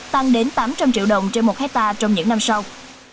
tăng đến tám trăm linh triệu đồng trên một hectare trong những năm sau